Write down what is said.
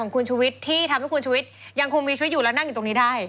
คุณชุวิตที่ทำให้คุณชุวิตยังคงมีชีวิตอยู่และนั่งอยู่ตรงนี้ได้